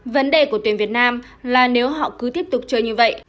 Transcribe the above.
vấn đề của tuyển việt nam là nếu họ cứ tiếp tục chơi như vậy